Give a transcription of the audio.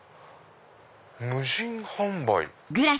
無人販売？